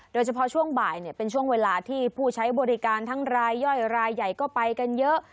โดยเฉพาะช่วงบ่ายเป็นช่วงเวลาที่ผู้ใช้บริการทั้งรายย่อยรายใหญ่ก็ไปกันเยอะ